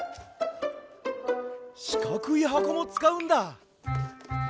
しかくいはこもつかうんだ。